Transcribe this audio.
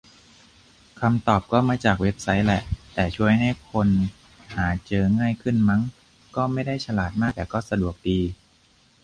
คำตอบก็มาจากเว็บไซต์แหละ แต่ช่วยให้คนหาเจอง่ายขึ้น มั้ง ก็ไม่ได้ฉลาดมาก แต่ก็สะดวกดี